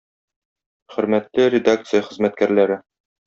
Хөрмәтле редакция хезмәткәрләре!